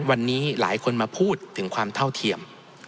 วันนี้หลายคนมาพูดถึงความเท่าเทียม